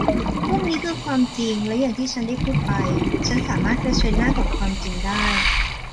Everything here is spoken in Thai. พวกนี้คือความจริงและอย่างที่ฉันได้พูดไป ฉันสามารถเผชิญหน้ากับความจริงได้